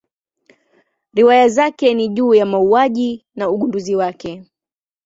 Riwaya zake ni juu ya mauaji na ugunduzi wake.